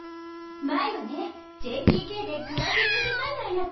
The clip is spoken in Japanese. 舞はねＪＰＫでグラフィックデザイナーやってるんだよ！